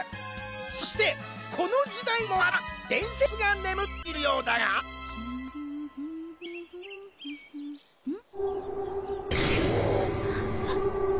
そしてこの時代にもまた伝説が眠っているようだがうん？